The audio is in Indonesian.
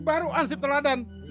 ini baru ansip teladan